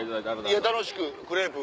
いや楽しくクレープ。